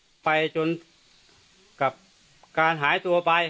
ข้าพเจ้านางสาวสุภัณฑ์หลาโภ